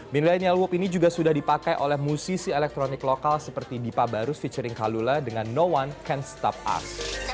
millennial woop ini juga sudah dipakai oleh musisi elektronik lokal seperti dipa barus featuring kalula dengan no one cance top up